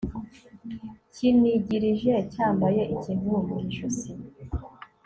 kinigirije cyambaye ikintu mu ijosi